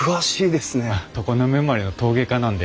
常滑生まれの陶芸家なんで。